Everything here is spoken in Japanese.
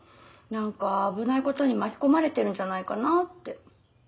何か危ないことに巻き込まれてるんじゃないかなって。